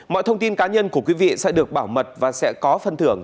mọi thông tin cá nhân của quý vị sẽ được bảo mật và sẽ có phân thưởng